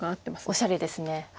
おしゃれですね。